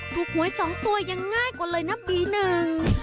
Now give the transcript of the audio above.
หวยสองตัวยังง่ายกว่าเลยนะปีหนึ่ง